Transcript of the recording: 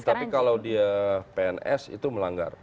tapi kalau dia pns itu melanggar